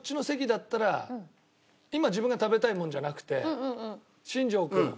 今自分が食べたいものじゃなくて。